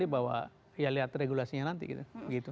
kita tidak menyajikan apapun kecuali bahwa ya lihat regulasinya nanti gitu